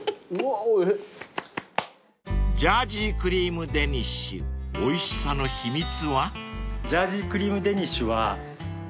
［ジャージークリームデニッシュおいしさの秘密は？］